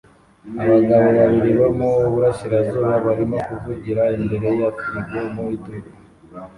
Abagabo babiri bo mu burasirazuba barimo kuvugira imbere ya firigo mu iduka